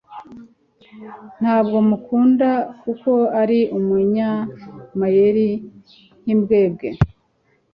Ntabwo mukunda kuko ari umunyamayeri nkimbwebwe